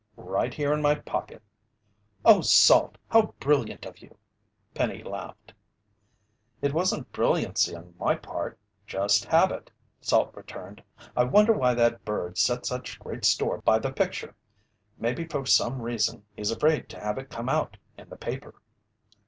"Right here in my pocket." "Oh, Salt, how brilliant of you!" Penny laughed. "It wasn't brilliancy on my part just habit," Salt returned. "I wonder why that bird set such great store by the picture? Maybe for some reason he's afraid to have it come out in the paper."